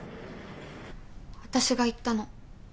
私が言ったの。